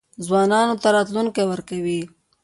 ځوانانو ته راتلونکی ورکوي.